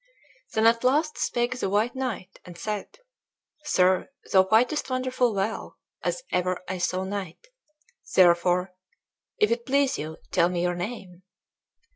Then at last spake the white knight, and said, "Sir, thou fightest wonderful well, as ever I saw knight; therefore, if it please you, tell me your name."